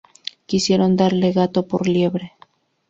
Quisieron darle gato por liebre